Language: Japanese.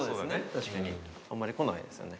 確かにあんまり来ないですよね。